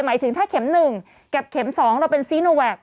หมายถึงถ้าเข็ม๑เก็บเข็ม๒เราเป็นซีโนแวค